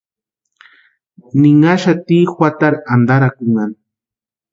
Ninhaxati juatarhu antarakunhani.